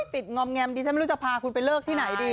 งอมแงมดิฉันไม่รู้จะพาคุณไปเลิกที่ไหนดี